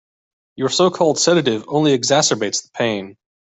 Your so-called sedative only exacerbates the pain.